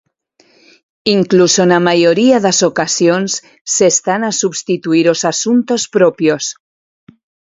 Incluso na maioría das ocasións se están a substituír os asuntos propios.